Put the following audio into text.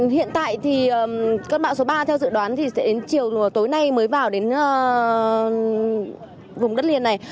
hiện tại thì cơn bão số ba theo dự đoán thì sẽ đến chiều tối nay mới vào đến vùng đất liền này